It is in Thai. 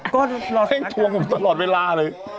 ก็รอให้ทวงผมตลอดเวลาเลย